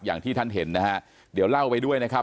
อย่างที่ท่านเห็นนะฮะเดี๋ยวเล่าไปด้วยนะครับ